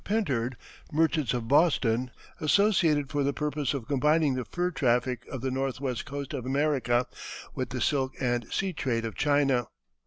Pintard, merchants of Boston, associated for the purpose of combining the fur traffic of the northwest coast of America with the silk and tea trade of China.